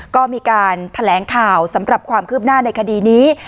ก็มีการแถลงข่าวสำหรับความคืบหน้าในคดีนี้